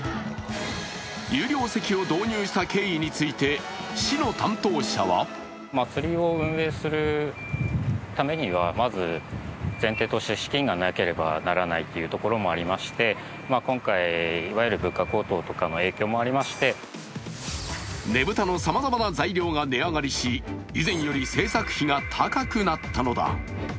有料席を導入した経緯について、市の担当者はねぶたのさまざまな材料が値上がりし以前より制作費が高くなったのだ。